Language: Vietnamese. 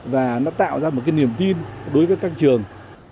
và nó tạo ra một cái niềm tin đối với các trường